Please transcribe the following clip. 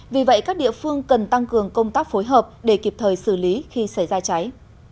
vì vậy các địa phương cần tăng cường công tác phối hợp để kịp thời xử lý khi xảy ra cháy